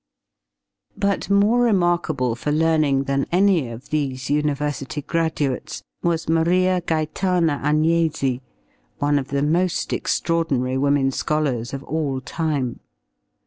But more remarkable for learning than any of these university graduates was Maria Gaetana Agnesi, one of the most extraordinary women scholars of all time.